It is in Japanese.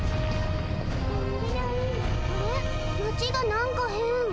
町がなんかへん。